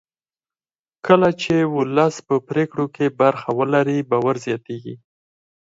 کله چې ولس په پرېکړو کې برخه ولري باور زیاتېږي